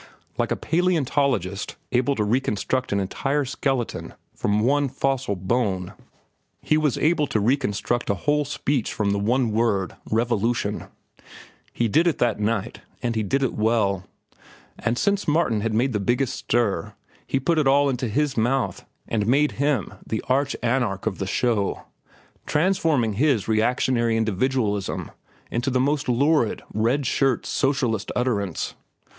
Like a paleontologist, able to reconstruct an entire skeleton from one fossil bone, he was able to reconstruct a whole speech from the one word revolution. He did it that night, and he did it well; and since Martin had made the biggest stir, he put it all into his mouth and made him the arch anarch of the show, transforming his reactionary individualism into the most lurid, red shirt socialist utterance.